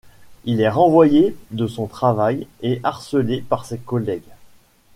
Il est renvoyé de son travail et harcelé par ses collègues.